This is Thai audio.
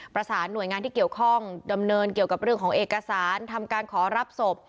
ประสานหน่วยงานที่เกี่ยวข้องดำเนินเกี่ยวกับเรื่องของเอกสารทำการขอรับศพ